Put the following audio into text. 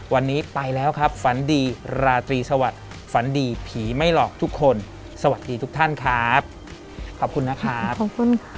วิ่งขึ้นคุม